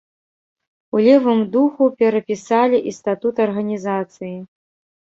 У левым духу перапісалі і статут арганізацыі.